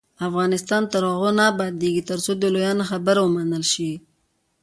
افغانستان تر هغو نه ابادیږي، ترڅو د لویانو خبره ومنل شي.